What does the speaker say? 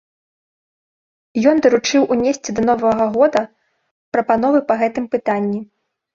Ён даручыў унесці да новага года прапановы па гэтым пытанні.